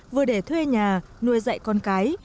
vừa để thuê nhà nuôi dạy con cái